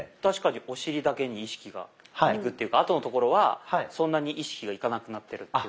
確かにお尻だけに意識がいくっていうかあとのところはそんなに意識がいかなくなってる。